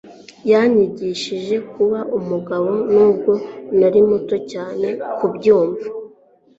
yanyigishije kuba umugabo, nubwo nari muto cyane kubyumva